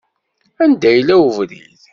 Anda yella webrid?